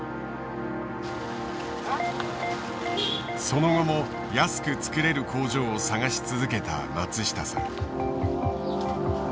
その後も安く作れる工場を探し続けた松下さん。